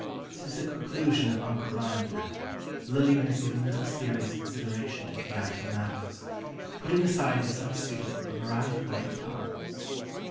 Since the conclusion of "Uncle Vanya" Lillian has given little serious consideration to theatrical matters, putting aside as unsuitable a variety of offered parts.